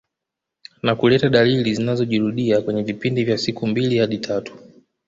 Na kuleta dalili zinazojirudia kwenye vipindi vya siku mbili hadi tatu